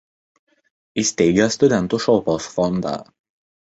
Įsteigė Studentų šalpos fondą.